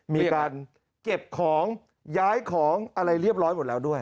มีการเก็บของย้ายของอะไรเรียบร้อยหมดแล้วด้วย